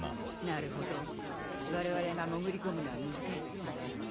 なるほど我々が潜り込むのは難しそうね。